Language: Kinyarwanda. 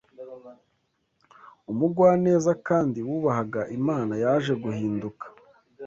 umugwaneza kandi wubahaga Imana, yaje guhinduka